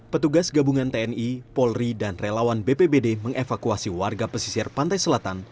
petugas gabungan tni polri dan relawan bpbd mengevakuasi warga pesisir pantai selatan